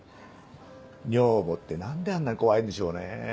女房って何であんな怖いんでしょうね。